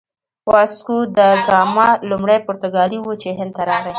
واسکوداګاما لومړی پرتګالی و چې هند ته راغی.